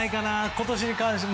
今年に関しては。